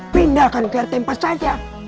pindahkan ke rt empat saja